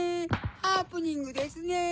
ハプニングですね。